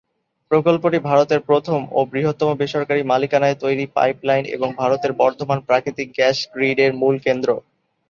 প্রকল্পটি ভারতের প্রথম ও বৃহত্তম বেসরকারী মালিকানায় তৈরি পাইপলাইন এবং ভারতের বর্ধমান প্রাকৃতিক গ্যাস গ্রিডের মূল কেন্দ্র।